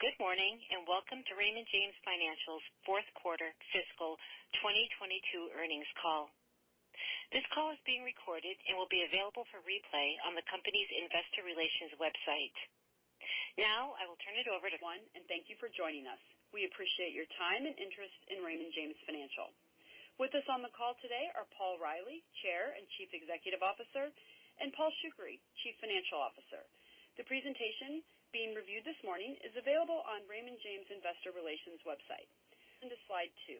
Good morning, and welcome to Raymond James Financial's fourth quarter fiscal 2022 earnings call. This call is being recorded and will be available for replay on the company's investor relations website. Now, I will turn it over to one, and thank you for joining us. We appreciate your time and interest in Raymond James Financial. With us on the call today are Paul Reilly, Chair and Chief Executive Officer, and Paul Shoukry, Chief Financial Officer. The presentation being reviewed this morning is available on Raymond James investor relations website. On to slide two.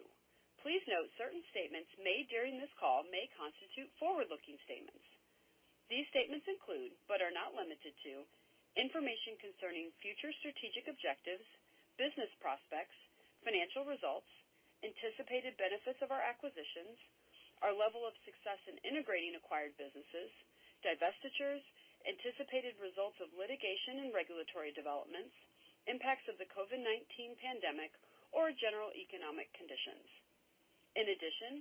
Please note certain statements made during this call may constitute forward-looking statements. These statements include, but are not limited to, information concerning future strategic objectives, business prospects, financial results, anticipated benefits of our acquisitions, our level of success in integrating acquired businesses, divestitures, anticipated results of litigation and regulatory developments, impacts of the COVID-19 pandemic, or general economic conditions. In addition,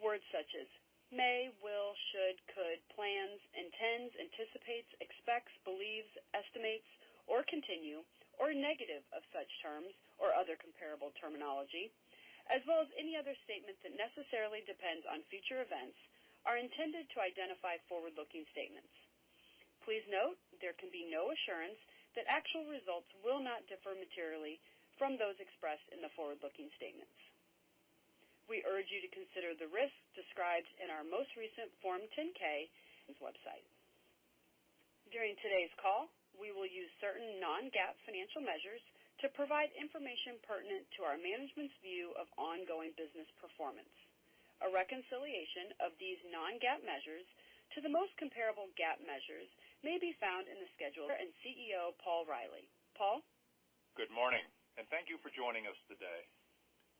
words such as may, will, should, could, plans, intends, anticipates, expects, believes, estimates, or continue, or negative of such terms or other comparable terminology, as well as any other statement that necessarily depends on future events, are intended to identify forward-looking statements. Please note there can be no assurance that actual results will not differ materially from those expressed in the forward-looking statements. We urge you to consider the risks described in our most recent Form 10-K on our website. During today's call, we will use certain non-GAAP financial measures to provide information pertinent to our management's view of ongoing business performance. A reconciliation of these non-GAAP measures to the most comparable GAAP measures may be found in the schedule. CEO Paul Reilly. Paul. Good morning, and thank you for joining us today.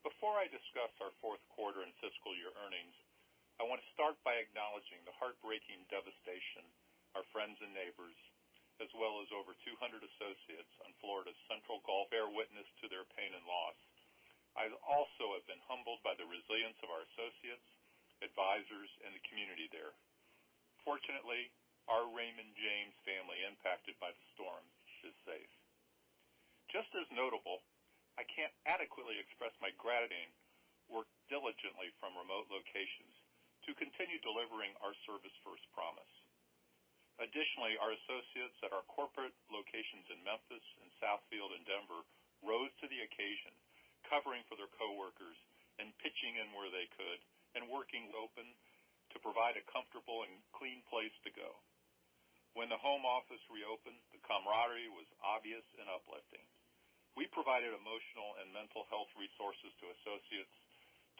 Before I discuss our fourth quarter and fiscal year earnings, I want to start by acknowledging the heartbreaking devastation our friends and neighbors, as well as over 200 associates on Florida's Central Gulf Coast, bear witness to their pain and loss. I also have been humbled by the resilience of our associates, advisors, and the community there. Fortunately, our Raymond James family impacted by the storm is safe. Just as notable, I can't adequately express my gratitude. Worked diligently from remote locations to continue delivering our service-first promise. Additionally, our associates at our corporate locations in Memphis and Southfield and Denver rose to the occasion, covering for their coworkers and pitching in where they could and working to open to provide a comfortable and clean place to go. When the home office reopened, the camaraderie was obvious and uplifting. We provided emotional and mental health resources to associates,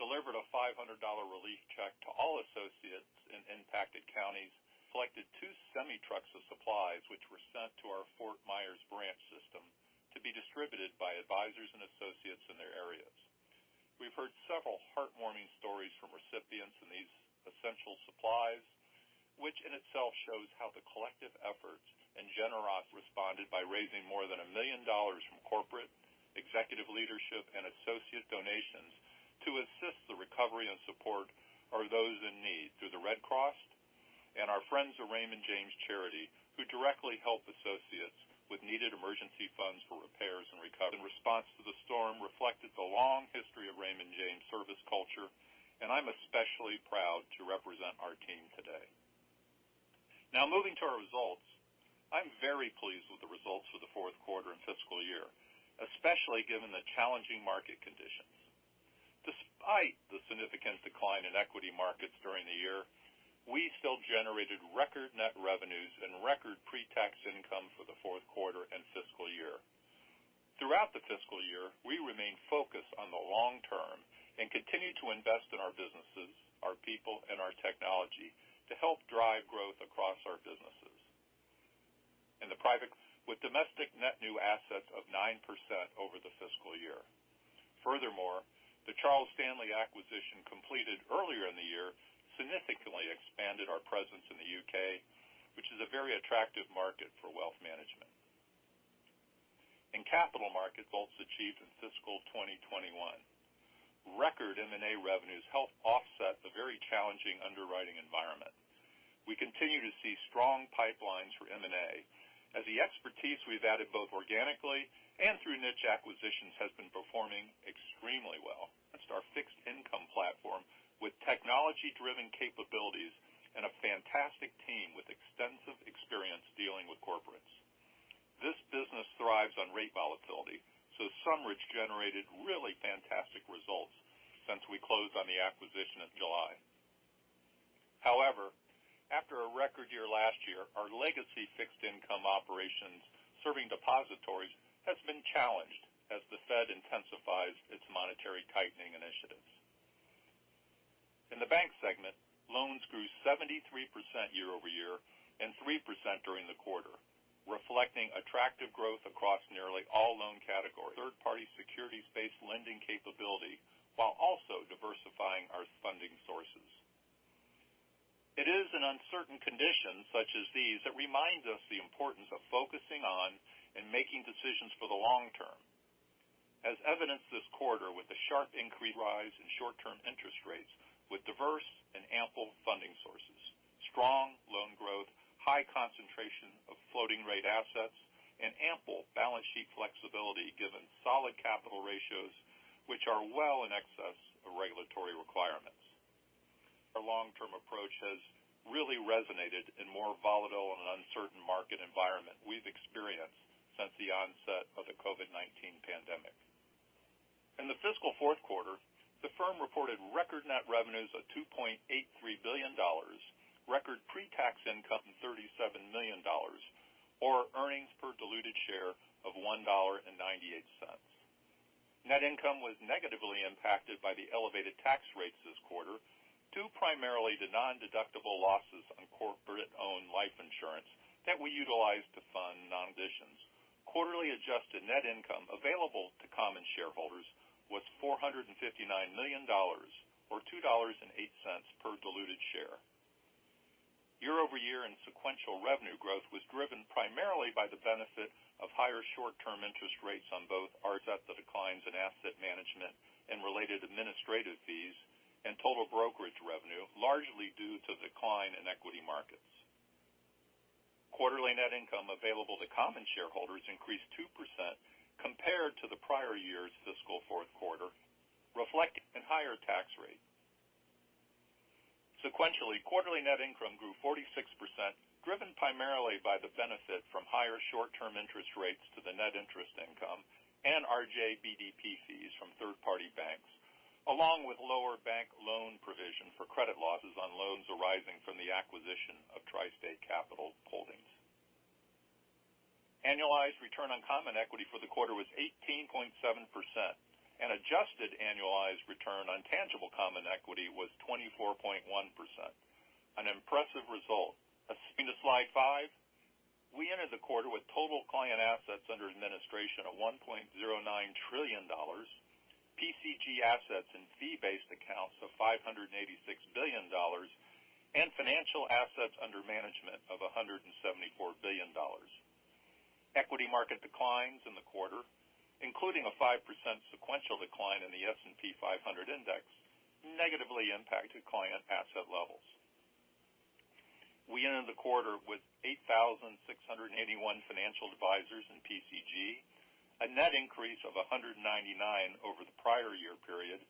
delivered a $500 relief check to all associates in impacted counties, collected 2 semi-trucks of supplies which were sent to our Fort Myers branch system to be distributed by advisors and associates in their areas. We've heard several heartwarming stories from recipients of these essential supplies, which in itself shows how the collective efforts and generous response by raising more than $1 million from corporate, executive leadership, and associate donations to assist the recovery and support of those in need through the Red Cross and our Friends of Raymond James, who directly help associates with needed emergency funds for repairs and recovery. Our response to the storm reflected the long history of Raymond James service culture, and I'm especially proud to represent our team today. Now moving to our results. I'm very pleased with the results for the fourth quarter and fiscal year, especially given the challenging market conditions. Despite the significant decline in equity markets during the year, we still generated record net revenues and record pre-tax income for the fourth quarter and fiscal year. Throughout the fiscal year, we remained focused on the long term and continued to invest in our businesses, our people, and our technology to help drive growth across our businesses. In the PCG with domestic net new assets of 9% over the fiscal year. Furthermore, the Charles Stanley acquisition completed earlier in the year significantly expanded our presence in the U.K., which is a very attractive market for wealth management. In Capital Markets, also achieved in fiscal 2021. Record M&A revenues helped offset the very challenging underwriting environment. We continue to see strong pipelines for M&A as the expertise we've added both organically and through niche acquisitions has been performing extremely well. Our fixed income platform with technology-driven capabilities and a fantastic team with extensive experience dealing with corporates. This business thrives on rate volatility, so SumRidge generated really fantastic results since we closed on the acquisition in July. However, after a record year last year, our legacy fixed income operations serving depositories has been challenged as the Fed intensifies its monetary tightening initiatives. In the bank segment, loans grew 73% year-over-year and 3% during the quarter, reflecting attractive growth across nearly all loan categories. Third-party securities-based lending capability while also diversifying our funding sources. It is in uncertain conditions such as these that remind us of the importance of focusing on and making decisions for the long term. As evidenced this quarter with the sharp increase in short-term interest rates with diverse and ample funding sources, strong loan growth, high concentration of floating rate assets, and ample balance sheet flexibility given solid capital ratios which are well in excess of regulatory requirements. Our long-term approach has really resonated in more volatile and uncertain market environment we've experienced since the onset of the COVID-19 pandemic. In the fiscal fourth quarter, the firm reported record net revenues of $2.83 billion, record pre-tax income $37 million, or earnings per diluted share of $1.98. Net income was negatively impacted by the elevated tax rates this quarter, due primarily to nondeductible losses on corporate-owned life insurance that we utilize to fund non-additions. Quarterly adjusted net income available to common shareholders was $459 million, or $2.08 per diluted share. Year-over-year and sequential revenue growth was driven primarily by the benefit of higher short-term interest rates offset declines in asset management and related administrative fees, and total brokerage revenue, largely due to declines in equity markets. Quarterly net income available to common shareholders increased 2% compared to the prior year's fiscal fourth quarter, reflecting higher tax rates. Sequentially, quarterly net income grew 46%, driven primarily by the benefit from higher short-term interest rates to the net interest income and RJBDP fees from third-party banks, along with lower bank loan provision for credit losses on loans arising from the acquisition of TriState Capital Holdings. Annualized return on common equity for the quarter was 18.7%. An adjusted annualized return on tangible common equity was 24.1%. An impressive result. Let's see the slide 5. We entered the quarter with total client assets under administration of $1.09 trillion, PCG assets in fee-based accounts of $586 billion, and financial assets under management of $174 billion. Equity market declines in the quarter, including a 5% sequential decline in the S&P 500 index, negatively impacted client asset levels. We ended the quarter with 8,681 financial advisors in PCG, a net increase of 199 over the prior year period,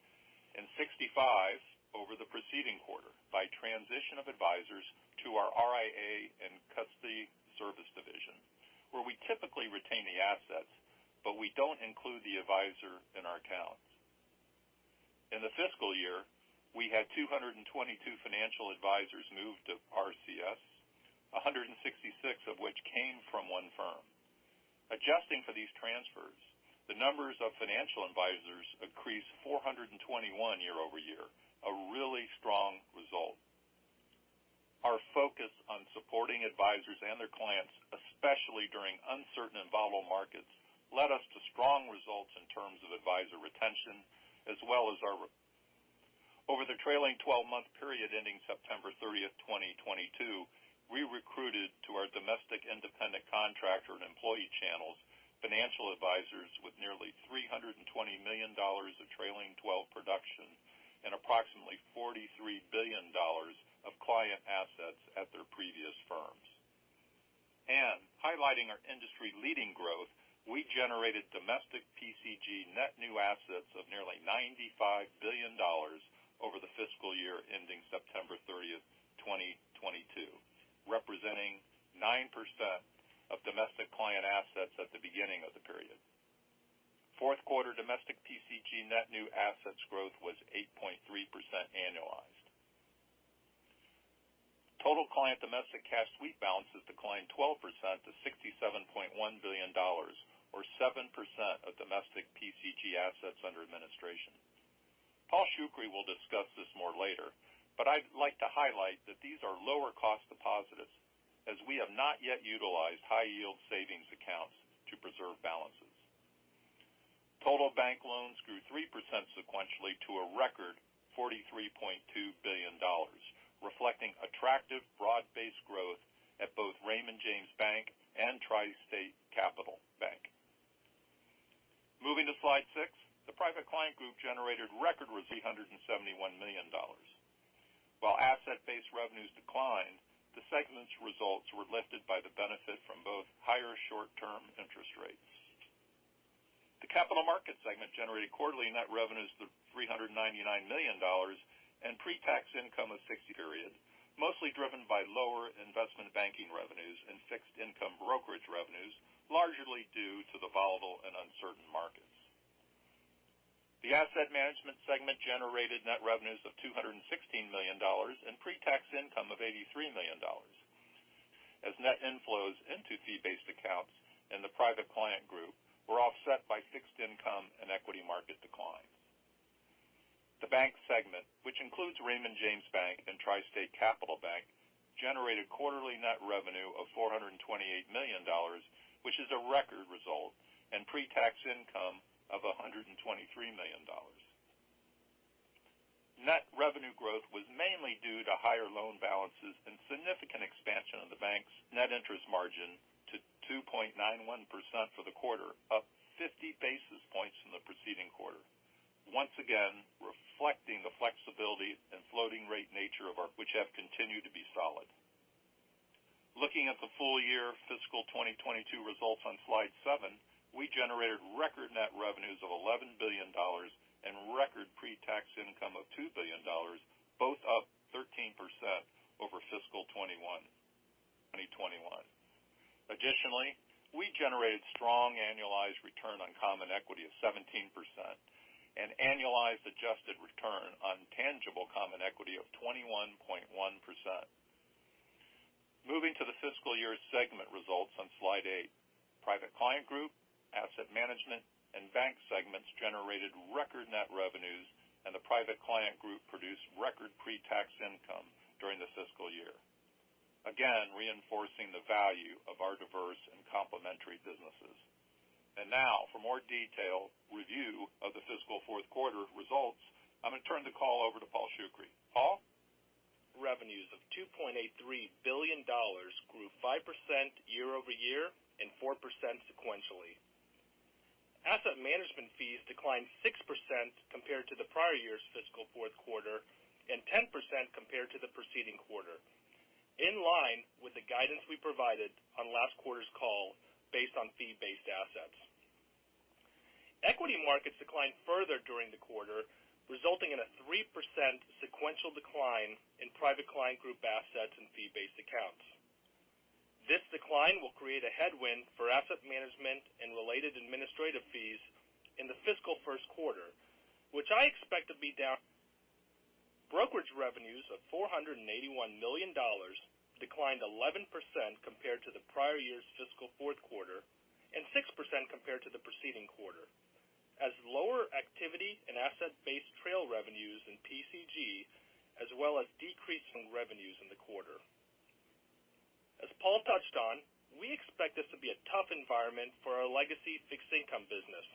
and 65 over the preceding quarter by transition of advisors to our RIA & Custody Services division, where we typically retain the assets, but we don't include the advisor in our counts. In the fiscal year, we had 222 financial advisors move to RCS, 166 of which came from one firm. Adjusting for these transfers, the numbers of financial advisors increased 421 year-over-year. A really strong result. Our focus on supporting advisors and their clients, especially during uncertain and volatile markets, led us to strong results in terms of advisor retention. Over the trailing twelve-month period ending September 30, 2022, we recruited to our domestic independent contractor and employee channels, financial advisors with nearly $320 million of trailing twelve production and approximately $43 billion of client assets at their previous firms. Highlighting our industry-leading growth, we generated domestic PCG net new assets of nearly $95 billion over the fiscal year ending September 30, 2022, representing 9% of domestic client assets at the beginning of the period. Fourth quarter domestic PCG net new assets growth was 8.3% annualized. Total client domestic cash sweep balances declined 12% to $67.1 billion or 7% of domestic PCG assets under administration. Paul Shoukry will discuss this more later, but I'd like to highlight that these are lower cost deposits as we have not yet utilized high yield savings accounts to preserve balances. Total bank loans grew 3% sequentially to a record $43.2 billion, reflecting attractive broad-based growth at both Raymond James Bank and TriState Capital Bank. Moving to slide 6, the Private Client Group generated record was $871 million. While asset-based revenues declined, the segment's results were lifted by the benefit from both higher short-term interest rates. The Capital Markets segment generated quarterly net revenues to $399 million and pre-tax income of 60 million, mostly driven by lower investment banking revenues and fixed income brokerage revenues, largely due to the volatile and uncertain markets. The asset management segment generated net revenues of $216 million and pre-tax income of $83 million. As net inflows into fee-based accounts in the Private Client Group were offset by fixed income and equity market declines. The bank segment, which includes Raymond James Bank and TriState Capital Bank, generated quarterly net revenue of $428 million, which is a record result, and pre-tax income of $123 million. Net revenue growth was mainly due to higher loan balances and significant expansion of the bank's net interest margin to 2.91% for the quarter, up 50 basis points from the preceding quarter. Once again, reflecting the flexibility and floating rate nature which have continued to be solid. Looking at the full year fiscal 2022 results on slide 7, we generated record net revenues of $11 billion and record pre-tax income of $2 billion, both up 13% over fiscal 2021. Additionally, we generated strong annualized return on common equity of 17% and annualized adjusted return on tangible common equity of 21.1%. Moving to the fiscal year segment results on slide 8. Private Client Group, Asset Management, and Bank segments generated record net revenues, and the Private Client Group produced record pre-tax income during the fiscal year. Again, reinforcing the value of our diverse and complementary businesses. Now for more detail review of the fiscal fourth quarter results, I'm gonna turn the call over to Paul Shoukry. Paul? Revenues of $2.83 billion grew 5% year-over-year and 4% sequentially. Asset management fees declined 6% compared to the prior year's fiscal fourth quarter and 10% compared to the preceding quarter. In line with the guidance we provided on last quarter's call based on fee-based assets. Equity markets declined further during the quarter, resulting in a 3% sequential decline in Private Client Group assets and fee-based accounts. This decline will create a headwind for asset management and related administrative fees in the fiscal first quarter, which I expect to be down. Brokerage revenues of $481 million declined 11% compared to the prior year's fiscal fourth quarter and 6% compared to the preceding quarter. As lower activity and asset-based trail revenues in PCG, as well as decrease in revenues in the quarter. As Paul touched on, we expect this to be a tough environment for our legacy fixed income business,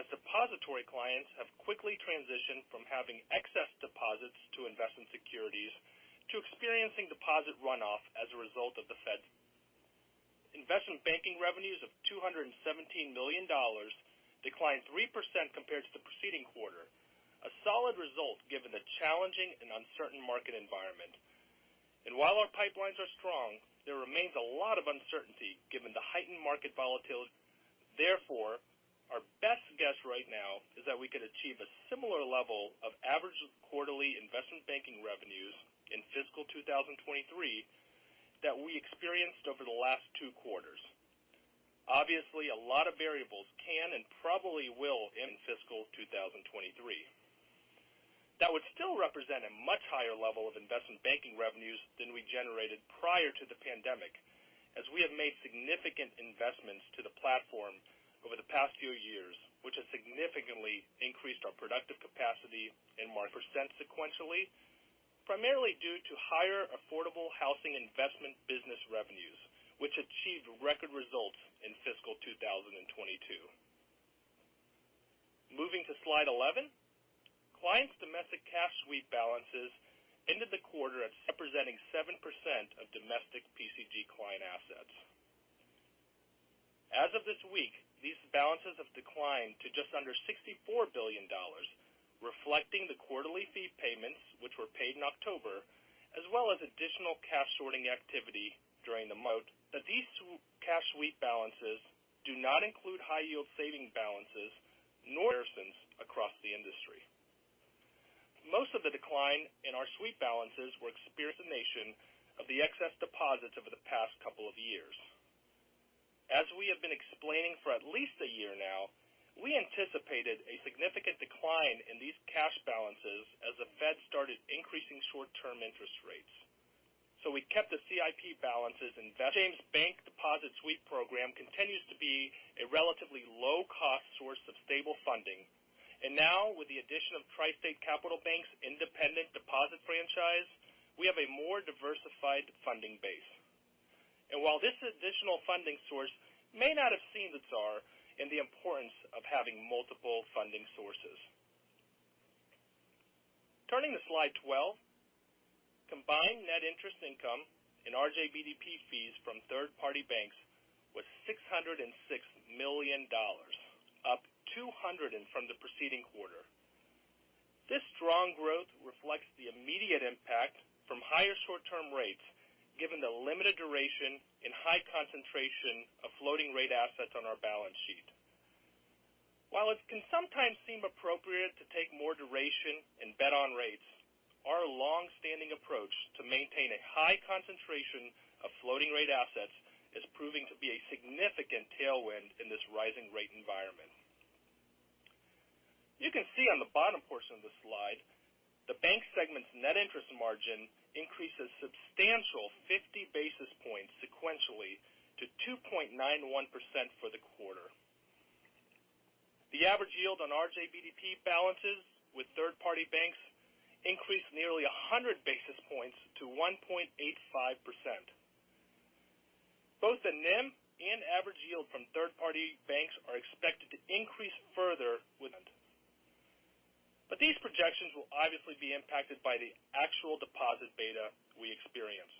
as depository clients have quickly transitioned from having excess deposits to investment securities to experiencing deposit runoff as a result of the Fed's. Investment banking revenues of $217 million declined 3% compared to the preceding quarter, a solid result given the challenging and uncertain market environment. While our pipelines are strong, there remains a lot of uncertainty given the heightened market volatility. Therefore, our best guess right now is that we could achieve a similar level of average quarterly investment banking revenues in fiscal 2023 that we experienced over the last two quarters. Obviously, a lot of variables can and probably will end fiscal 2023. That would still represent a much higher level of investment banking revenues than we generated prior to the pandemic, as we have made significant investments to the platform over the past few years, which has significantly increased our productive capacity and market share. Revenues were up 28% sequentially, primarily due to higher affordable housing investment banking revenues, which achieved record results in fiscal 2022. Moving to slide 11. Clients' domestic cash sweep balances ended the quarter at $71 billion, representing 7% of domestic PCG client assets. As of this week, these balances have declined to just under $64 billion, reflecting the quarterly fee payments, which were paid in October, as well as additional cash sorting activity during the month. These cash sweep balances do not include high-yield savings balances nor do comparisons across the industry. Most of the decline in our sweep balances were experienced in anticipation of the excess deposits over the past couple of years. As we have been explaining for at least a year now, we anticipated a significant decline in these cash balances as the Fed started increasing short-term interest rates. We kept the CIP balances invested in the Raymond James Bank deposit sweep program continues to be a relatively low-cost source of stable funding. Now with the addition of TriState Capital Bank's independent deposit franchise, we have a more diversified funding base. While this additional funding source may not have been as important, the importance of having multiple funding sources. Turning to slide 12. Combined net interest income and RJBDP fees from third-party banks was $606 million, up 200% from the preceding quarter. This strong growth reflects the immediate impact from higher short-term rates, given the limited duration and high concentration of floating rate assets on our balance sheet. While it can sometimes seem appropriate to take more duration and bet on rates, our long-standing approach to maintain a high concentration of floating rate assets is proving to be a significant tailwind in this rising rate environment. You can see on the bottom portion of the slide, the bank segment's net interest margin increases substantially 50 basis points sequentially to 2.91% for the quarter. The average yield on RJBDP balances with third-party banks increased nearly 100 basis points to 1.85%. Both the NIM and average yield from third-party banks are expected to increase further. These projections will obviously be impacted by the actual deposit beta we experience.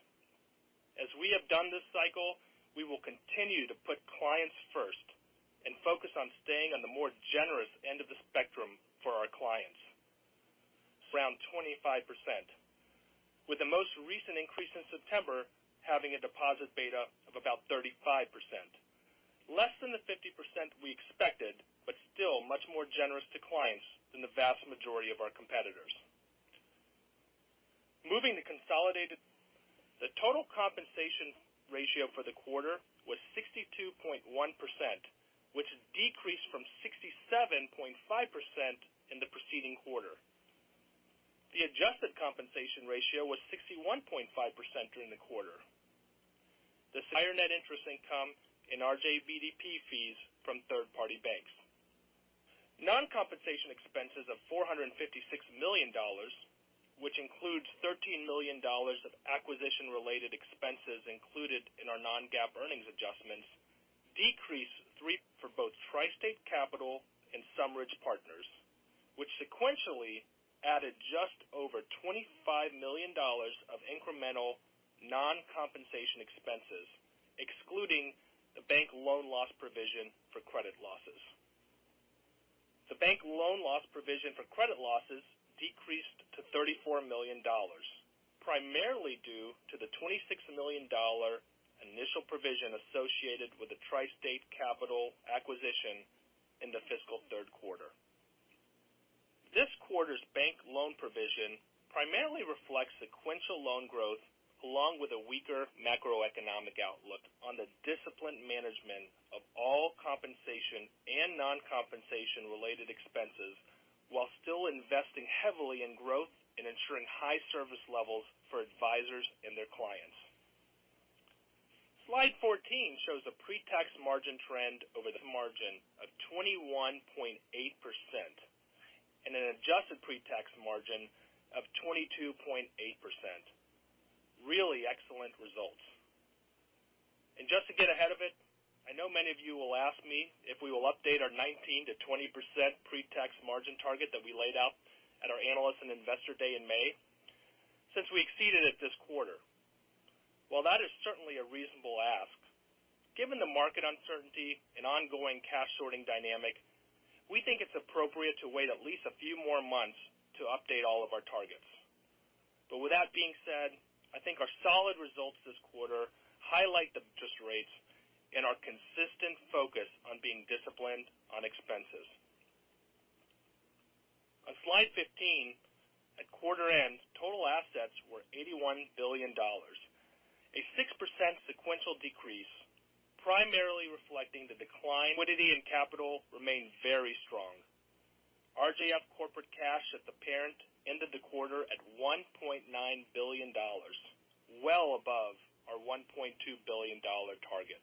As we have done this cycle, we will continue to put clients first and focus on staying on the more generous end of the spectrum for our clients. Around 25%, with the most recent increase in September having a deposit beta of about 35%. Less than the 50% we expected, but still much more generous to clients than the vast majority of our competitors. Moving to consolidated. The total compensation ratio for the quarter was 62.1%, which has decreased from 67.5% in the preceding quarter. The adjusted compensation ratio was 61.5% during the quarter. This higher net interest income and RJBDP fees from third-party banks. Non-compensation expenses of $456 million, which includes $13 million of acquisition-related expenses included in our non-GAAP earnings adjustments, decreased 3% for both TriState Capital and SumRidge Partners, which sequentially added just over $25 million of incremental non-compensation expenses, excluding the bank loan loss provision for credit losses. The bank loan loss provision for credit losses decreased to $34 million, primarily due to the $26 million initial provision associated with the TriState Capital acquisition in the fiscal third quarter. This quarter's bank loan provision primarily reflects sequential loan growth, along with a weaker macroeconomic outlook on the disciplined management of all compensation and non-compensation related expenses, while still investing heavily in growth and ensuring high service levels for advisors and their clients. Slide 14 shows the pre-tax margin trend over the margin of 21.8% and an adjusted pre-tax margin of 22.8%. Really excellent results. Just to get ahead of it, I know many of you will ask me if we will update our 19%-20% pre-tax margin target that we laid out at our Analyst and Investor Day in May, since we exceeded it this quarter. While that is certainly a reasonable ask, given the market uncertainty and ongoing cash sorting dynamic, we think it's appropriate to wait at least a few more months to update all of our targets. With that being said, I think our solid results this quarter highlight the interest rates and our consistent focus on being disciplined on expenses. On slide 15, at quarter end, total assets were $81 billion, a 6% sequential decrease, primarily reflecting the decline. Liquidity and capital remain very strong. RJF corporate cash at the parent ended the quarter at $1.9 billion, well above our $1.2 billion target.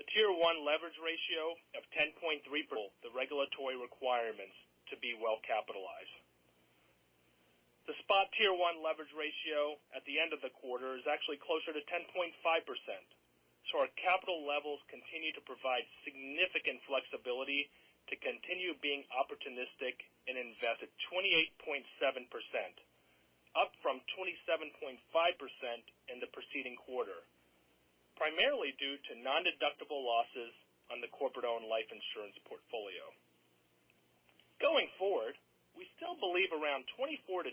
The Tier 1 leverage ratio of 10.3%, the regulatory requirements to be well capitalized. The spot Tier 1 leverage ratio at the end of the quarter is actually closer to 10.5%. Our capital levels continue to provide significant flexibility to continue being opportunistic and invest at 28.7%, up from 27.5% in the preceding quarter, primarily due to nondeductible losses on the corporate-owned life insurance portfolio. Going forward, we still believe around 24%-25%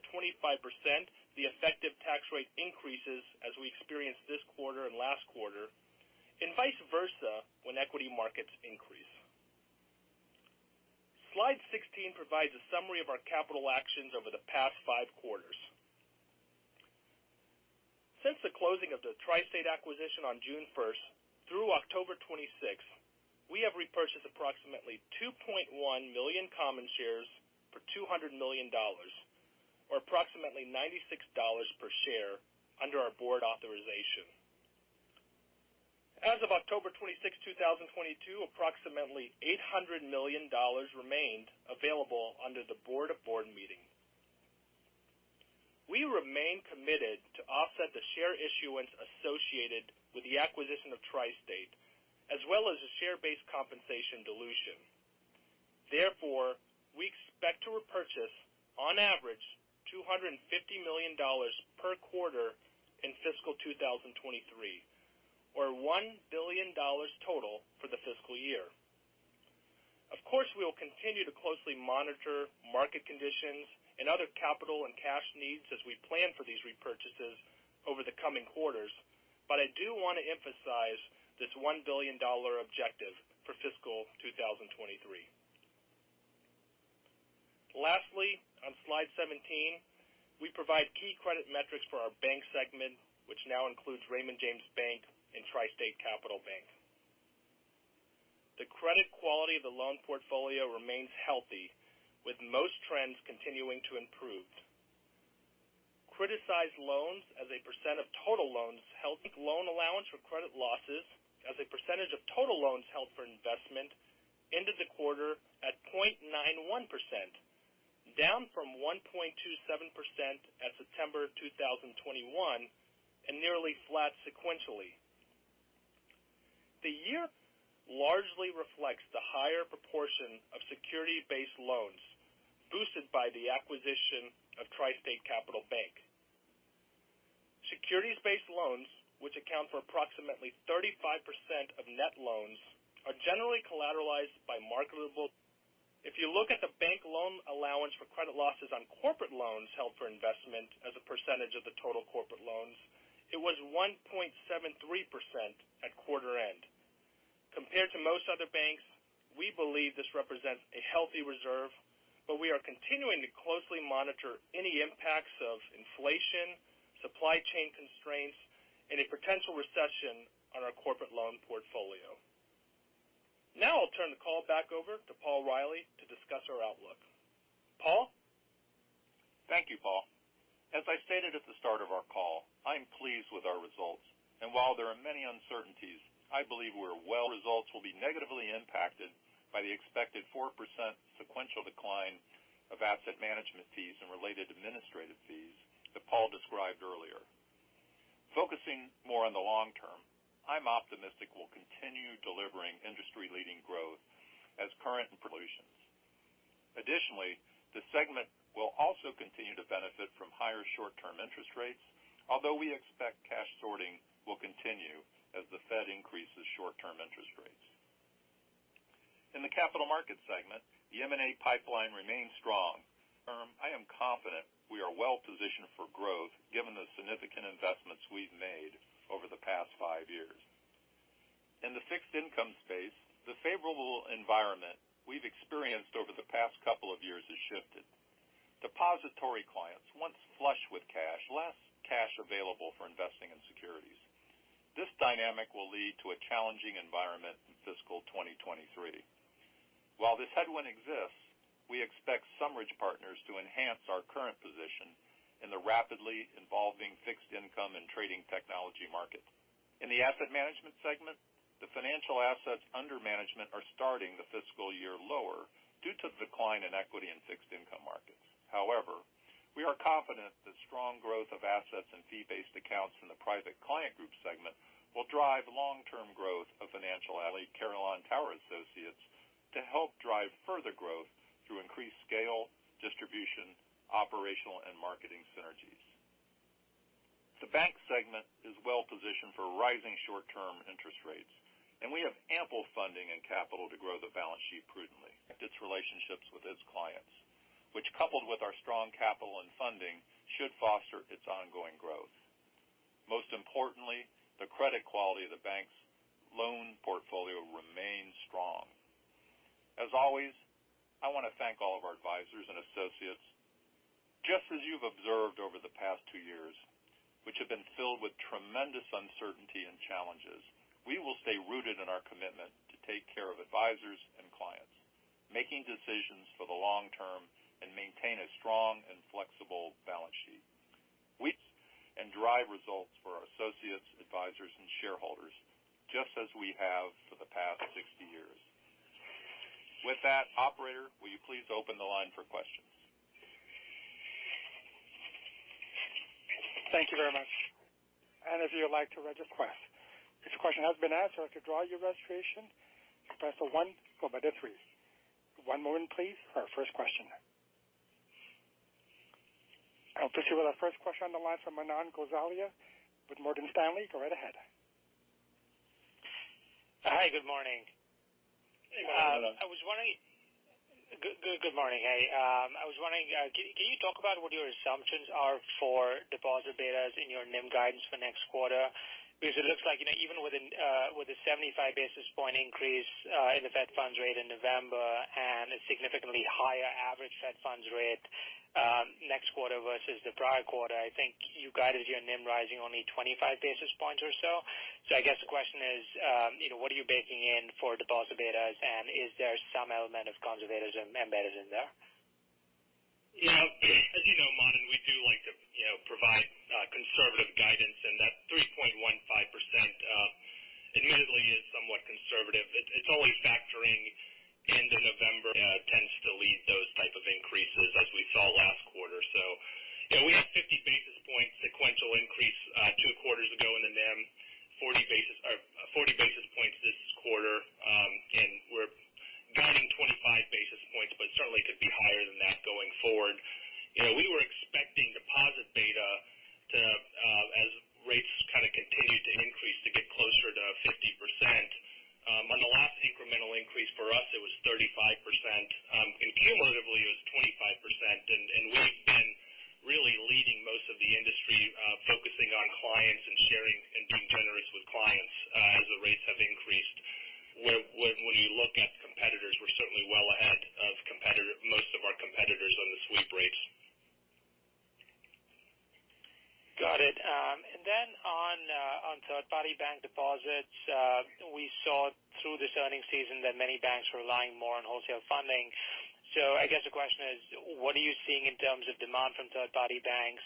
the effective tax rate increases as we experienced this quarter and last quarter, and vice versa when equity markets increase. Slide 16 provides a summary of our capital actions over the past five quarters. Since the closing of the TriState acquisition on June 1, through October 26, we have repurchased approximately 2.1 million common shares for $200 million or approximately $96 per share under our board authorization. As of October 26, 2022, approximately $800 million remained available under the board authorization. We remain committed to offset the share issuance associated with the acquisition of TriState, as well as the share-based compensation dilution. Therefore, we expect to repurchase, on average, $250 million per quarter in fiscal 2023, or $1 billion total for the fiscal year. Of course, we will continue to closely monitor market conditions and other capital and cash needs as we plan for these repurchases over the coming quarters. I do want to emphasize this $1 billion objective for fiscal 2023. Lastly, on slide 17, we provide key credit metrics for our bank segment, which now includes Raymond James Bank and TriState Capital Bank. The credit quality of the loan portfolio remains healthy, with most trends continuing to improve. Criticized loans as a % of total loans held. Loan allowance for credit losses percentage of total loans held for investment ended the quarter at 0.91%, down from 1.27% at September 2021 and nearly flat sequentially. The year largely reflects the higher proportion of securities-based loans boosted by the acquisition of TriState Capital Bank. Securities-based loans, which account for approximately 35% of net loans, are generally collateralized by marketable securities. If you look at the bank loan allowance for credit losses on corporate loans held for investment as a percentage of the total corporate loans, it was 1.73% at quarter end. Compared to most other banks, we believe this represents a healthy reserve, but we are continuing to closely monitor any impacts of inflation, supply chain constraints, and a potential recession on our corporate loan portfolio. Now I'll turn the call back over to Paul Reilly to discuss our outlook. Paul? Thank you, Paul. As I stated at the start of our call, I'm pleased with our results. While there are many uncertainties, I believe we're well. Results will be negatively impacted by the expected 4% sequential decline of asset management fees and related administrative fees that Paul described earlier. Focusing more on the long term, I'm optimistic we'll continue delivering industry-leading growth as current and acquisitions. Additionally, the segment will also continue to benefit from higher short-term interest rates, although we expect cash sorting will continue as the Fed increases short-term interest rates. In the Capital Markets segment, the M&A pipeline remains strong. I am confident we are well-positioned for growth given the significant investments we've made over the past five years. In the fixed income space, the favorable environment we've experienced over the past couple of years has shifted. Depository clients once flush with cash, less cash available for investing in securities. This dynamic will lead to a challenging environment in fiscal 2023. While this headwind exists, we expect SumRidge Partners to enhance our current position in the rapidly evolving fixed income and trading technology market. In the Asset Management segment, the financial assets under management are starting the fiscal year lower due to the decline in equity and fixed income markets. However, we are confident that strong growth of assets and fee-based accounts from the Private Client Group segment will drive long-term growth of financial ally Carillon Tower Advisers to help drive further growth through increased scale, distribution, operational, and marketing synergies. The bank segment is well positioned for rising short-term interest rates, and we have ample funding and capital to grow the balance sheet prudently and its relationships with its clients, which coupled with our strong capital and funding, should foster its ongoing growth. Most importantly, the credit quality of the bank's loan portfolio remains strong. As always, I want to thank all of our advisors and associates. Just as you've observed over the past two years, which have been filled with tremendous uncertainty and challenges, we will stay rooted in our commitment to take care of advisors and clients, making decisions for the long term and maintain a strong and flexible balance sheet. We will drive results for our associates, advisors, and shareholders, just as we have for the past 60 years. With that, operator, will you please open the line for questions? Thank you very much. If you would like to register a request. If your question has been answered, to withdraw your registration, press one followed by the three. One moment, please, for our first question. I'll proceed with our first question on the line from Manan Gosalia with Morgan Stanley. Go right ahead. Hi, good morning. Good morning, Manan. I was wondering. Good morning. Hey, I was wondering, can you talk about what your assumptions are for deposit betas in your NIM guidance for next quarter? Because it looks like, you know, even with a 75 basis point increase in the Fed funds rate in November and a significantly higher average Fed funds rate next quarter versus the prior quarter, I think you guided your NIM rising only 25 basis points or so. I guess the question is, you know, what are you baking in for deposit betas? And is there some element of conservatism embedded in there? You know, as you know, Manan, we do like to, you know, provide conservative guidance, and that 3.15%, admittedly is somewhat conservative. It's always factoring end of November tends to lead those type of increases as we saw last quarter. You know, we had 50 basis points sequential increase two quarters ago in the NIM. 40 basis points this quarter, and we're guiding 25 basis points, but certainly could be higher than that going forward. You know, we were expecting deposit beta to, as rates kind of continued to increase, to get closer to 50%. On the last incremental increase for us it was 35%, and cumulatively it was 25%. We've been really leading most of the industry, focusing on clients and sharing and being generous with clients, as the rates have increased. Where when you look at competitors, we're certainly well ahead of most of our competitors on the sweep rates. Got it. On third-party bank deposits, we saw through this earnings season that many banks were relying more on wholesale funding. I guess the question is, what are you seeing in terms of demand from third-party banks?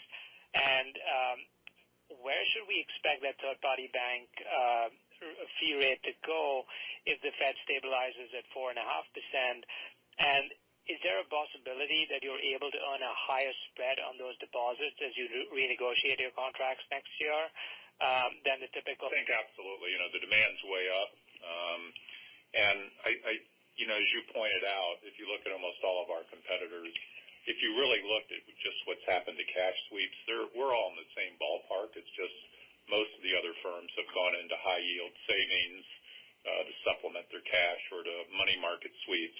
Where should we expect that third-party bank fee rate to go if the Fed stabilizes at 4.5%? Is there a possibility that you're able to earn a higher spread on those deposits as you renegotiate your contracts next year than the typical? I think absolutely. You know, the demand's way up. You know, as you pointed out, if you look at almost all of our competitors, if you really looked at just what's happened to cash sweeps, we're all in the same ballpark. It's just most of the other firms have gone into high yield savings to supplement their cash or to money market sweeps.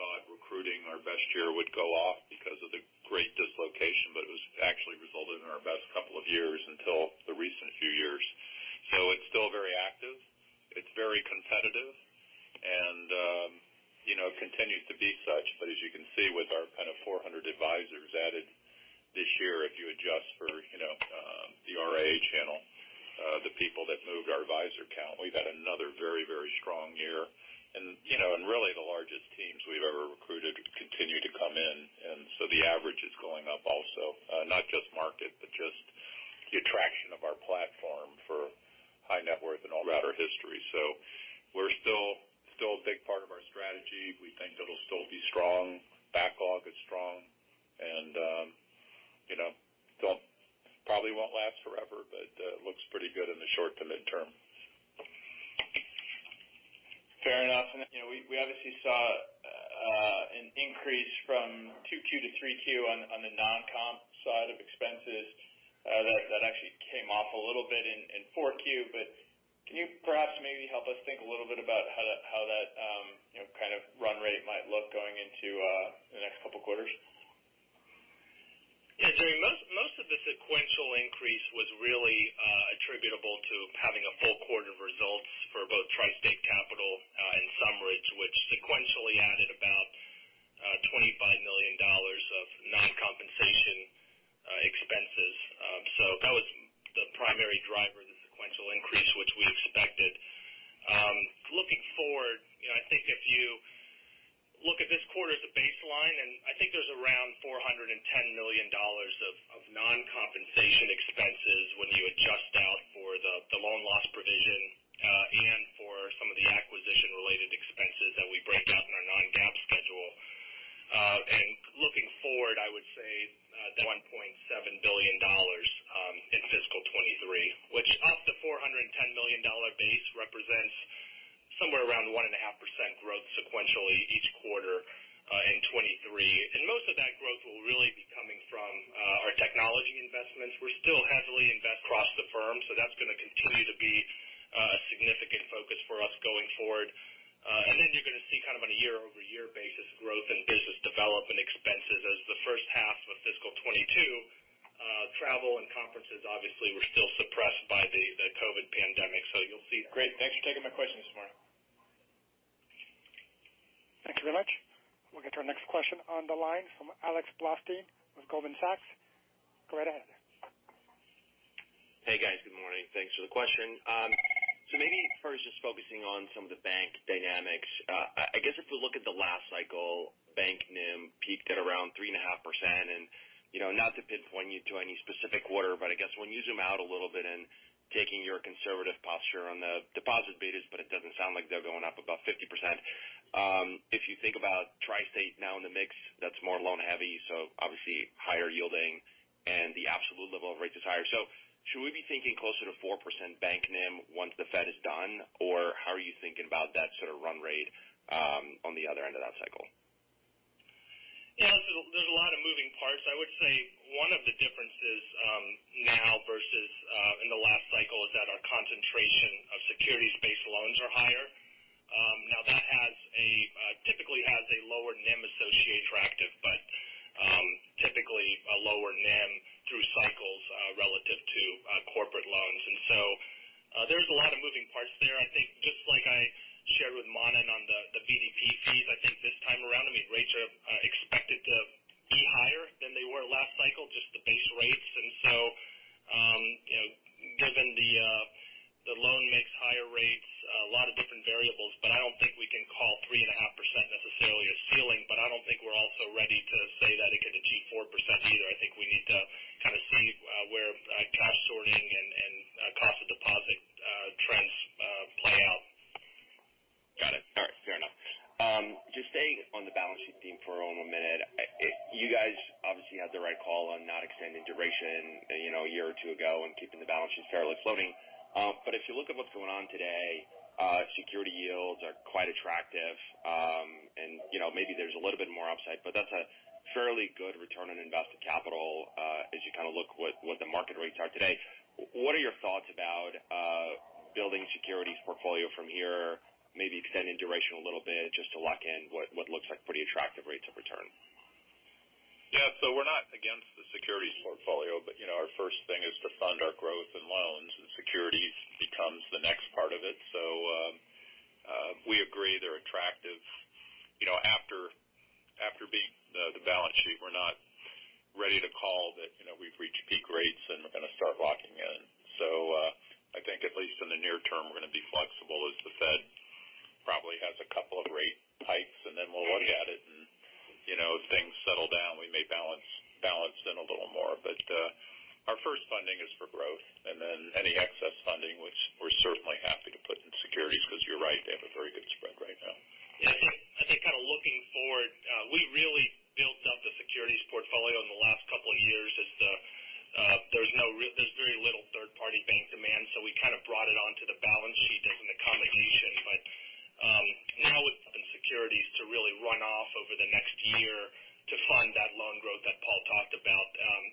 thought recruiting our best year would go off because of the great dislocation, but it actually resulted in our best couple of years until the recent few years. It's still very active. It's very competitive. You know, it continues to be such. As you can see with our kind of 400 advisors added this year if you adjust for, you know, the RIA channel, the people that moved our advisor count. We've had another very, very strong year. You know, really the largest teams we've ever recruited continue to come in. The average is going up also. Not just market, but just the attraction of our platform for high net worth and all throughout our history. We're still a big part of our strategy. We think it'll still be strong. Backlog is strong. You know, don't probably won't last forever, but looks pretty good in the short to midterm. Fair enough. You know, we obviously saw an increase from 2Q to 3Q on the non-comp side of expenses. That actually came off a little bit in 4Q. Can you perhaps maybe help us think a little bit about how that you know, kind of run rate might look going into the next couple quarters? Yeah, Jerry O'Hara. Most of the sequential increase was really attributable to having a full quarter of results for both TriState Capital and Sumridge, which sequentially added about $25 million of non-compensation expenses. That was the primary driver of the sequential increase which we expected. Looking forward, you know, I think if you look at this quarter as a baseline, and I think there's around $410 million of non-compensation expenses when you adjust out for the loan loss provision and for some of the acquisition related expenses that we break out in our non-GAAP schedule. Looking forward, I would say $1.7 billion in fiscal 2023, which off the $410 million base represents somewhere around 1.5% growth sequentially each quarter in 2023. Most of that growth will really be coming from our technology investments. We're still heavily invest across the firm, so that's gonna continue to be a significant focus for us going forward. You're gonna see kind of on a year-over-year basis growth in business development expenses as the first half of fiscal 2022, travel and conferences obviously were still suppressed by the COVID pandemic. You'll see- Great. Thanks for taking my question this morning. Thank you very much. We'll get to our next question on the line from Alex Blostein with Goldman Sachs. Go right ahead. Hey, guys. Good morning. Thanks for the question. Maybe first just focusing on some of the bank dynamics. I guess if we look at the last cycle, bank NIM peaked at around 3.5%. You know, not to pinpoint you to any specific quarter, but I guess when you zoom out a little bit and taking your conservative posture on the deposit betas, but it doesn't sound like they're going up about 50%. If you think about TriState now in the mix, that's more loan-yielding and the absolute level of rates is higher. Should we be thinking closer to 4% bank NIM once the Fed is done? Or how are you thinking about that sort of run rate, on the other end of that cycle? Yeah. There's a lot of moving parts. I would say one of the differences now versus in the last cycle is that our concentration of securities-based loans are higher. Now that has a typically has a lower NIM associated with actives, but typically a lower NIM through cycles relative to corporate loans. There's a lot of moving parts there. I think just like I shared with Manan on the BDP fees, I think this time around, I mean, rates are expected to be higher than they were last cycle, just the base rates. You know, given the loan mix has higher rates, a lot of different variables, but I don't think we can call 3.5% necessarily a ceiling. I don't think we're also ready to say that it could achieve 4% either. I think we need to kind of see where cash sorting and cost of deposit trends play out. Got it. All right. Fair enough. Just staying on the balance sheet theme for one more minute. You guys obviously had the right call on not extending duration, you know, a year or two ago and keeping the balance sheet fairly floating. But if you look at what's going on today, securities yields are quite attractive. And, you know, maybe there's a little bit more upside, but that's a fairly good return on invested capital, as you kind of look at what the market rates are today. What are your thoughts about building securities portfolio from here, maybe extending duration a little bit just to lock in what looks like pretty attractive rates of return? Yeah. We're not against the securities portfolio, but, you know, our first thing is to fund our growth in loans, and securities becomes the next part of it. We agree they're attractive. You know, after building the balance sheet, we're not ready to call that, you know, we've reached peak rates and we're gonna start locking in. I think at least in the near term, we're gonna be flexible as the Fed probably has a couple of rate hikes, and then we'll look at it. You know, as things settle down, we may balance them a little more. Our first funding is for growth, and then any excess funding, which we're certainly happy to put in securities, because you're right, they have a very good spread right now. Yeah. I think kind of looking forward, we really built up the securities portfolio in the last couple of years as there's very little third party bank demand, so we kind of brought it onto the balance sheet as an accommodation. Now it's up in securities to really run off over the next year to fund that loan growth that Paul talked about.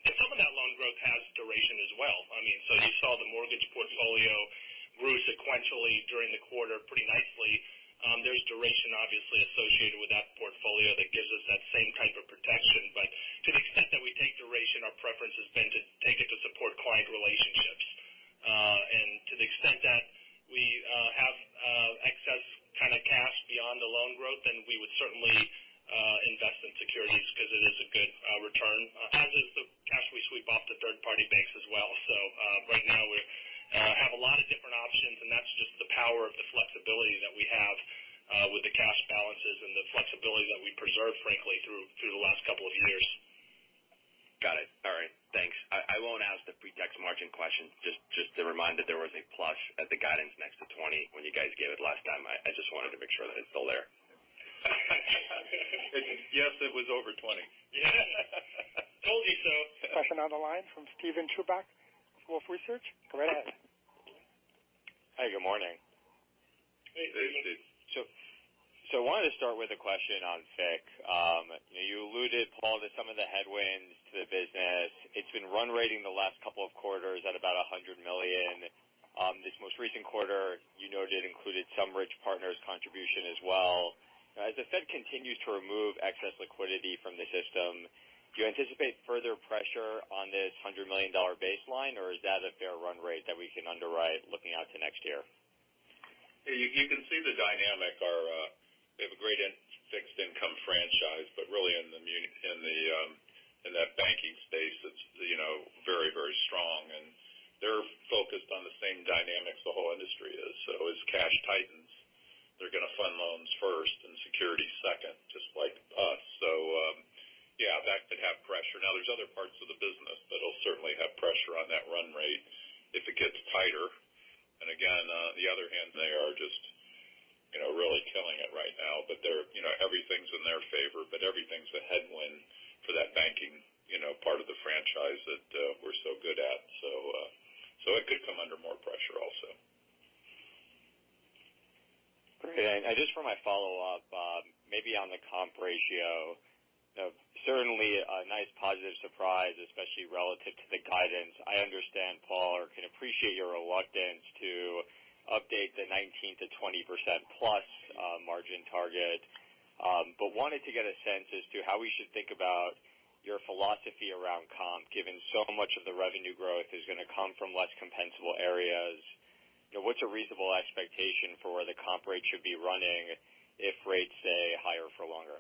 Some of that loan growth has duration as well. I mean, you saw the mortgage portfolio grew sequentially during the quarter pretty nicely. There's duration obviously associated with that portfolio that gives us that same type of protection. To the extent that we take duration, our preference has been to take it to support client relationships. To the extent that we have excess kind of cash beyond the loan growth, then we would certainly invest in securities because it is a good return. As is the cash we sweep off the third party banks as well. Right now we have a lot of different options, and that's just the power of the flexibility that we have with the cash balances and the flexibility that we preserve, frankly, through the last couple of years. Got it. All right. Thanks. I won't ask the pre-tax margin question. Just a reminder, there was a plus at the guidance next to 20% when you guys gave it last time. I just wanted to make sure that it's still there. Yes, it was over 20. Yeah. Told you so. Question on the line from Steven Chubak, Wolfe Research. Go right ahead. Hi, good morning. Hey, Steve. Hey, Steve. I wanted to start with a question on FIC. You alluded, Paul, to some of the headwinds to the business. It's been run rate the last couple of quarters at about $100 million. This most recent quarter you noted included some SumRidge Partners contribution as well. As the Fed continues to remove excess liquidity from the system, do you anticipate further pressure on this $100 million baseline, or is that a fair run rate that we can underwrite looking out to next year? You can see the dynamics are they have a great fixed income franchise, but really in that banking space, it's, you know, very strong. They're focused on the same dynamics the whole industry is. As cash tightens, they're gonna fund loans first and securities second, just like us. Yeah, that could have pressure. Now, there's other parts of the business that'll certainly have pressure on that run rate if it gets tighter. Again, on the other hand, they are just, you know, really killing it right now. But they're, you know, everything's in their favor, but everything's a headwind for that banking, you know, part of the franchise that we're so good at. It could come under more pressure also. Great. Just for my follow-up, maybe on the comp ratio. Certainly a nice positive surprise, especially relative to the guidance. I understand, Paul, or can appreciate your reluctance to update the 19%-20%+ margin target. But wanted to get a sense as to how we should think about your philosophy around comp, given so much of the revenue growth is gonna come from less compensable areas. You know, what's a reasonable expectation for where the comp rate should be running if rates stay higher for longer?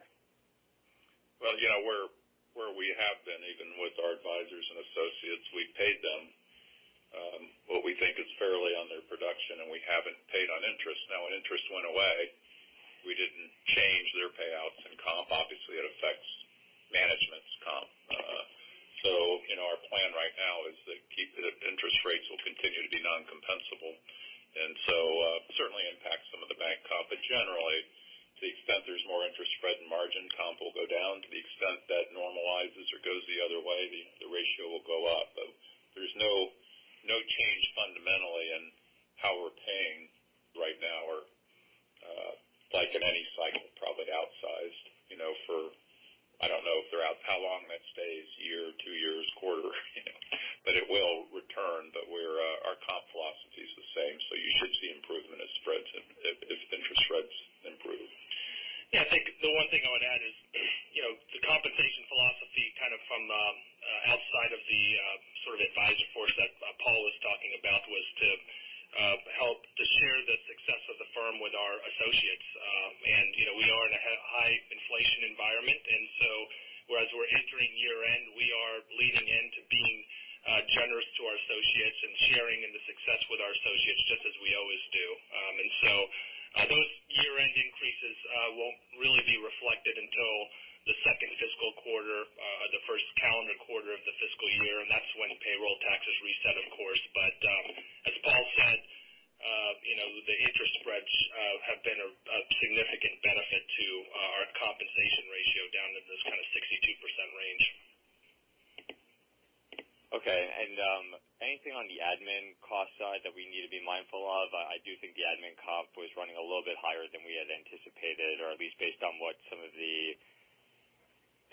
Well, you know, where we have been, even with our advisors and associates, we paid them what we think is fairly on their production, and we haven't paid on interest. Now, interest went away. We didn't change their payouts and comp. Obviously, it affects management's comp. You know, our plan right now is generally, to the extent there's more interest spread and margin comp will go down. To the extent that normalizes or goes the other way, the ratio will go up. But there's no change fundamentally in how we're paying right now or like in any cycle, probably outsized, you know, for I don't know throughout how long that stays, year, two years, quarter, you know. But it will return. But our comp philosophy is the same. You should see improvement of spreads if interest spreads improve. Yeah. I think the one thing I would add is, you know, the compensation philosophy kind of from the outside of the sort of advisor force that Paul was talking about was to help to share the success of the firm with our associates. You know, we are in a high inflation environment. Whereas we're entering year-end, we are leaning into being generous to our associates and sharing in the success with our associates, just as we always do. Those year-end increases won't really be reflected until the second fiscal quarter, the first calendar quarter of the fiscal year, and that's when payroll taxes reset, of course. As Paul said, you know, the interest spreads have been a significant benefit to our compensation ratio down to this kind of 62% range. Okay. Anything on the admin cost side that we need to be mindful of? I do think the admin comp was running a little bit higher than we had anticipated, or at least based on what some of the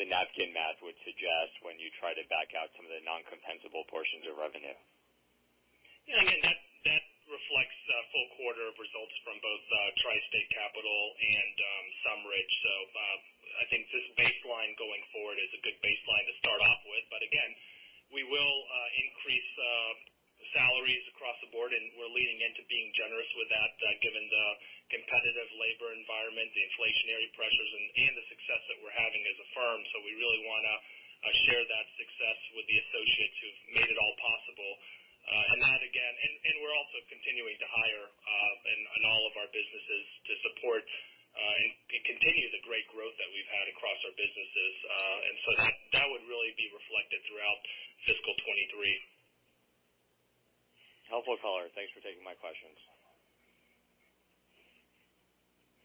napkin math would suggest when you try to back out some of the non-compensable portions of revenue. Yeah. I mean, that reflects the full quarter of results from both TriState Capital and Sumridge. I think this baseline going forward is a good baseline to start off with. Again, we will increase salaries across the board, and we're leaning into being generous with that, given the competitive labor environment, the inflationary pressures, and the success that we're having as a firm. We really wanna share that success with the associates who've made it all possible. We're also continuing to hire in all of our businesses to support and continue the great growth that we've had across our businesses. That would really be reflected throughout fiscal 2023. Helpful color. Thanks for taking my questions.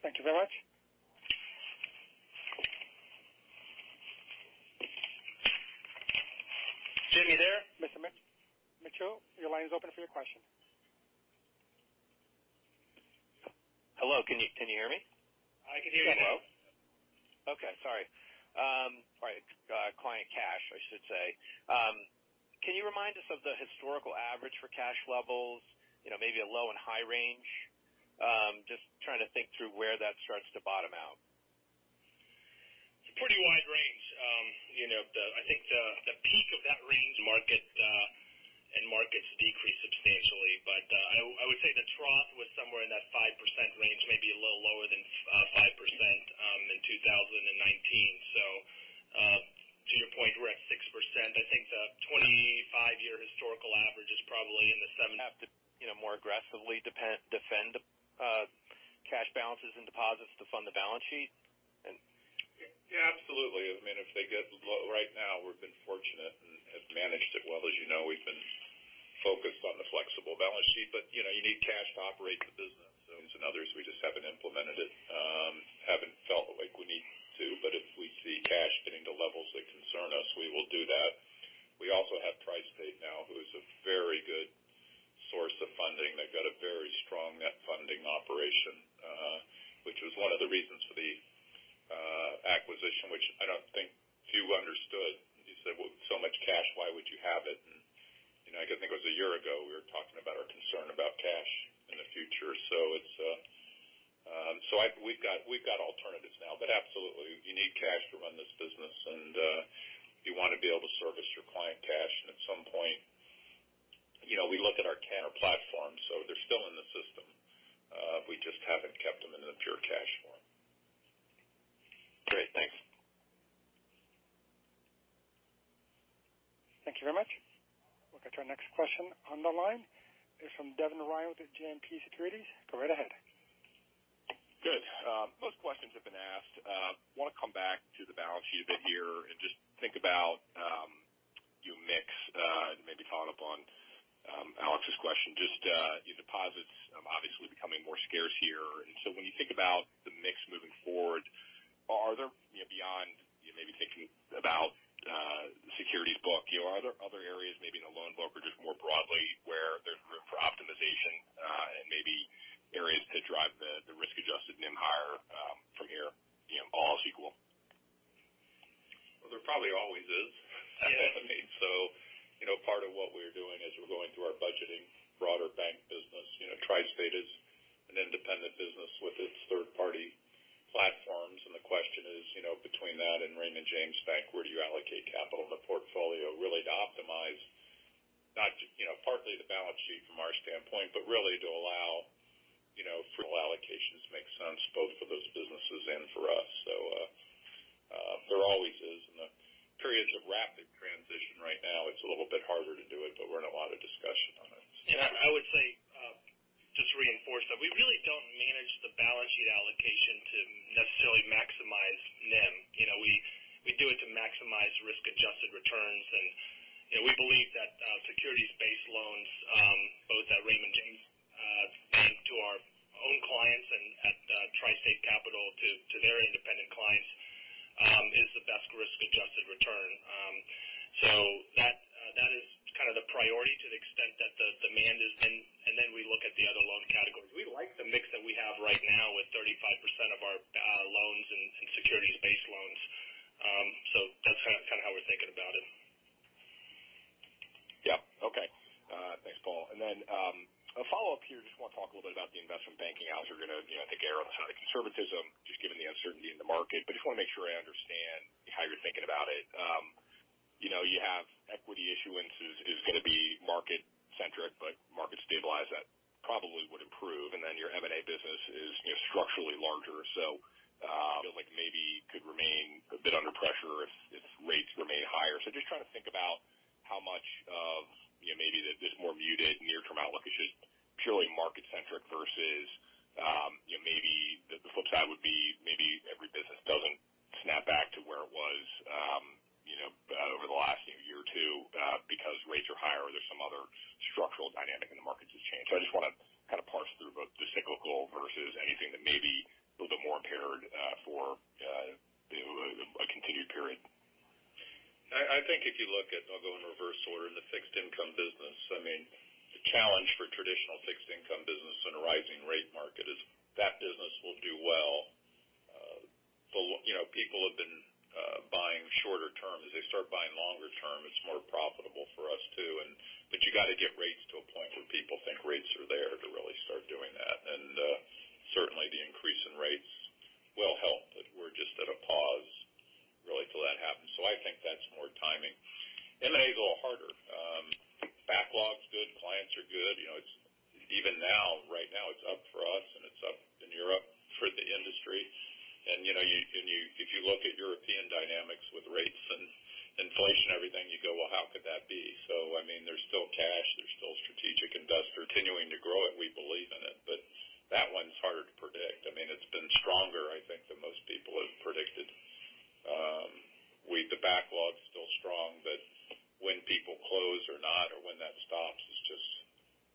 Thank you very much. James there? Mr. Mitchell, your line is open for your question. Hello. Can you hear me? I can hear you now. Client cash, I should say. Can you remind us of the historical average for cash levels? You know, maybe a low and high range. Just trying to think through where that starts to bottom out. It's a pretty wide range. I think the peak of that range. Markets decreased substantially. I would say the trough was somewhere in that 5% range, maybe a little lower than 5%, in 2019. To your point, we're at 6%. I think the 25-year historical average is probably in the 7- Have to, you know, more aggressively defend cash balances and deposits to fund the balance sheet and Yeah. Absolutely. I mean, if they get low. Right now we've been fortunate and have managed it well. As you know, we've been focused on the flexible balance sheet. You know, you need cash to operate the business. It's another, so we just haven't implemented it, haven't felt like we need to. If we see cash getting to levels that concern us, we will do that. We also have TriState Capital, who is a very good source of funding. They've got a very strong net funding operation, which was one of the reasons for the acquisition, which I don't think few understood. You said, "Well, so much cash, why would you have it?" You know, I think it was a year ago we were talking about our concern about cash in the future. We've got alternatives now. Absolutely you need cash to run this business and you want to be able to service your client cash. At some point, you know, we look at our AdvisorChoice platform. They're still in the system. We just haven't kept them in a pure cash form. Great. Thanks. Thank you very much. We'll get to our next question. On the line is from Devin Ryan with JMP Securities. Go right ahead. Good. Most questions have been asked. Want to come back to the balance sheet a bit here and just think about your mix and maybe follow up on Alex's question. Just your deposits obviously becoming more scarce here. When you think about the mix moving forward, are there, you know, beyond you maybe thinking about the securities book. You know, are there other areas, maybe in the loan book or just more broadly, where there's room for optimization and maybe areas to drive the risk-adjusted NIM higher from here, you know, all else equal? Well, there probably always is. Yeah. I mean, you know, part of what we're doing is we're going through our budgeting broader bank business. You know, TriState is an independent business with its third party platforms. The question is, you know, between that and Raymond James Bank, where do you allocate capital in the portfolio really to optimize partly the balance sheet from our standpoint, but really to allow, you know, free allocations make sense both for those businesses and for us. There always is in the periods of rapid transition right now it's a little bit harder to do it, but we're in a lot of discussion on it. I would say just to reinforce that we really don't manage the balance sheet to really maximize NIM. You know, we do it to maximize risk-adjusted returns. You know, we believe that securities-based loans both at Raymond James and to our own clients and at TriState Capital to their independent clients is the best risk-adjusted return. So that is kind of the priority to the extent that the demand is. Then we look at the other loan categories. We like the mix that we have right now with 35% of our loans in securities-based loans. So that's kind of how we're thinking about it. Yeah. Okay. Thanks, Paul. A follow-up here. Just wanna talk a little bit about the investment banking house. You're gonna, you know, err on the side of conservatism just given the uncertainty in the market. Just wanna make sure I understand how you're thinking about it. You know, you have equity issuances is gonna be market centric, but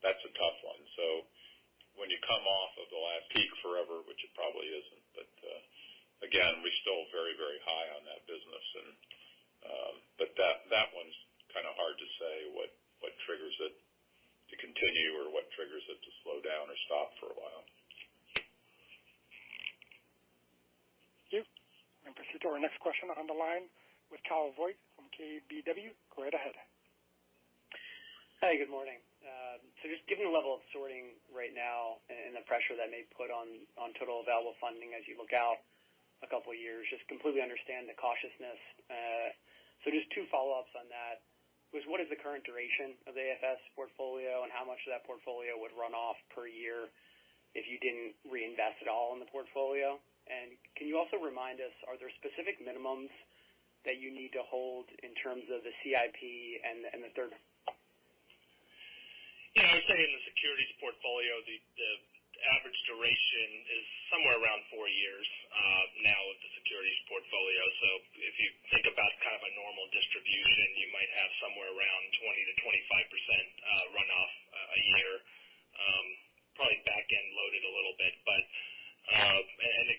That's a tough one. When you come off of the last peak forever, which it probably isn't. Again, we're still very, very high on that business. That one's kind of hard to say what triggers it to continue or what triggers it to slow down or stop for a while. Thank you. Proceed to our next question on the line with Kyle Voigt from KBW. Go right ahead. Hi, good morning. Just given the level of shortage right now and the pressure that may put on total available funding as you look out a couple years, I just completely understand the cautiousness. Just two follow-ups on that. What is the current duration of the AFS portfolio, and how much of that portfolio would run off per year if you didn't reinvest at all in the portfolio? Can you also remind us, are there specific minimums that you need to hold in terms of the CIP and the RJBDP? You know, I would say in the securities portfolio, the average duration is somewhere around four years, now with the securities portfolio. If you think about kind of a normal distribution, you might have somewhere around 20%-25% runoff a year. Probably back-end loaded a little bit. Again, we're gonna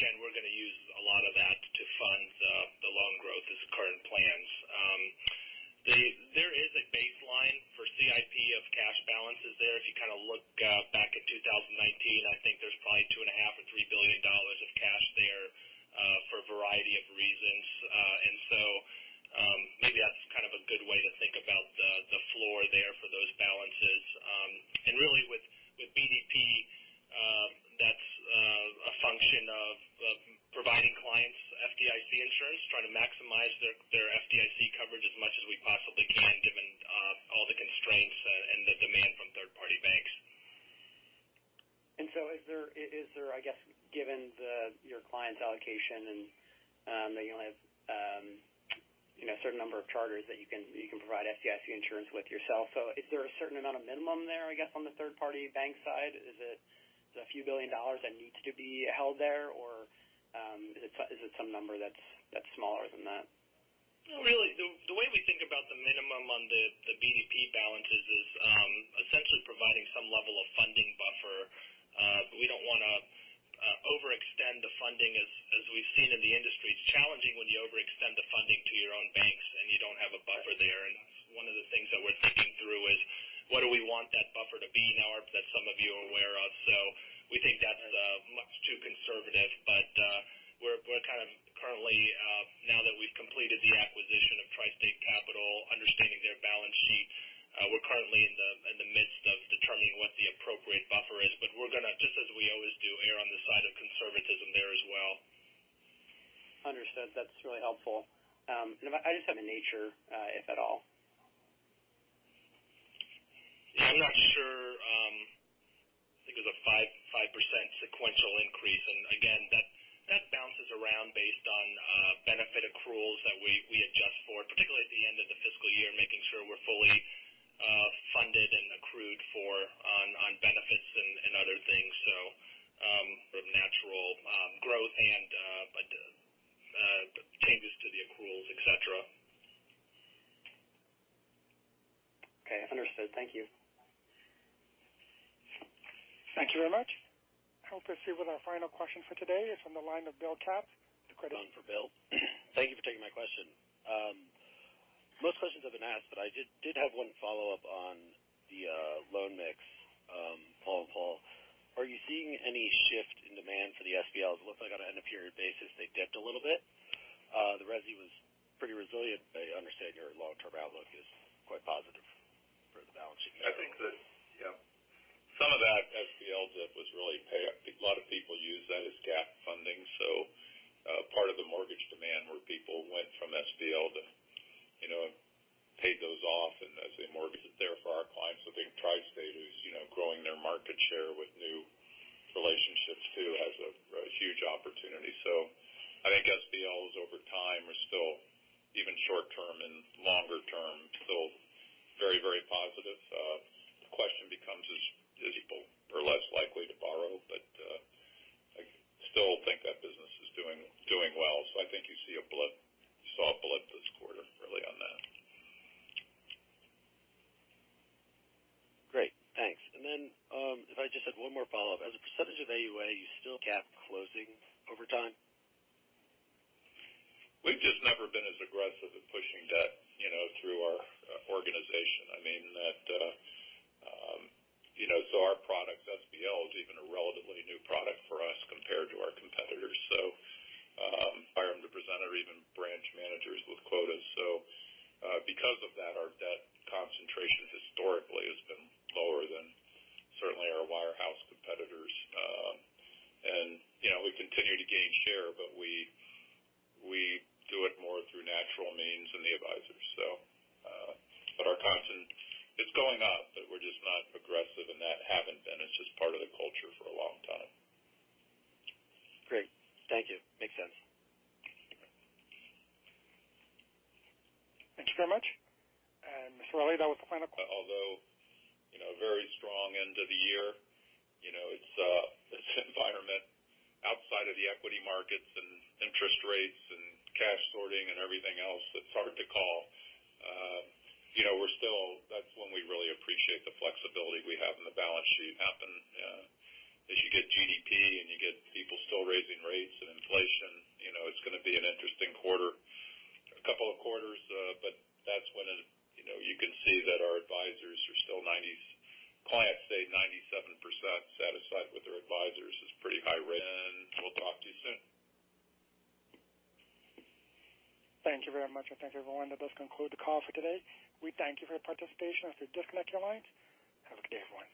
We think that's much too conservative. We're kind of currently now that we've completed the acquisition of TriState Capital, understanding their balance sheet, we're currently in the midst of determining what the appropriate buffer is. We're gonna just, as we always do, err on the side of conservatism there as well. Understood. That's really helpful. I just have another if at all. I'm not sure. I think it was a 5% sequential increase. Again, that bounces around based on benefit accruals that we adjust for, particularly at the end of the fiscal year, making sure we're fully and other things. From natural growth and the changes to the accruals, et cetera. Okay. Understood. Thank you. Thank you very much. Help us here with our final question for today is on the line of Bill Katz with Credit Suisse. One for Bill. Thank you for taking my question. Most questions have been asked, but I did have one follow-up on the loan mix. Paul and Paul, are you seeing any shift in demand for the SBL? It looks like on an end-of-period basis they dipped a little bit. The resi was pretty resilient. I understand your long-term outlook is quite positive for the balance sheet. I think. Yeah. Some of that SBL dip was really payoff. A lot of people use that as gap funding. Part of the mortgage demand where people went from SBL to, you know, pay those off and as they mortgage it there for our clients. I think TriState is, you know, growing their market share with new relationships too, has a huge opportunity. I think SBLs over time are still even short term and longer term, still very, very positive. The question becomes is people are less likely to borrow. I still think that business is doing well. I think you saw a blip this quarter really on that. Great. Thanks. If I just had one more follow-up. As a percentage of AUA, you still gap closing over time? We've just never been as aggressive in pushing debt, you know, through our organization. I mean, you know, so our product SBL is even a relatively new product for us compared to our competitors. Hire them to present or even branch managers with quotas. Because of that, our debt concentration historically has been lower than certainly our wirehouse competitors. You know, we continue to gain share, but we do it more through natural means than the advisors. Our constant is going up, but we're just not aggressive in that haven't been. It's just part of the culture for a long time. Great. Thank you. Makes sense. Thank you very much. Mr. Reilly, that was the final que- Although, you know, very strong end of the year. You know, it's this environment outside of the equity markets and interest rates and cash sorting and everything else, it's hard to call. You know, that's when we really appreciate the flexibility we have in the balance sheet happen. As you get GDP and you get people still raising rates and inflation, you know, it's gonna be an interesting quarter, a couple of quarters. But that's when it, you know, you can see that clients say 97% satisfied with their advisors is pretty high rate. We'll talk to you soon. Thank you very much. Thank you, everyone. That does conclude the call for today. We thank you for your participation. You may disconnect your lines. Have a good day, everyone.